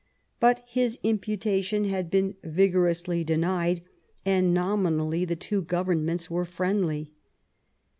Bat his imputation had been vigorously denied, and nomi nally the two governments were friendly.